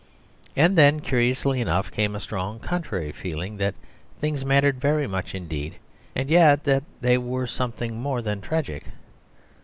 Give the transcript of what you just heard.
And then, curiously enough, came a very strong contrary feeling that things mattered very much indeed, and yet that they were something more than tragic.